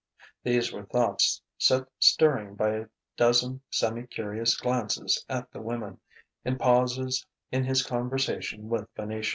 These were thoughts set stirring by a dozen semi curious glances at the woman, in pauses in his conversation with Venetia.